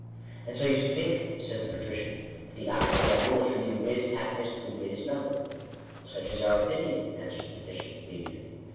" And so you think," says the patrician, " that the object of our rule should be 'the greatest happiness to the greatest number/ "" Such is our opinion," answers the petitioning plebeian.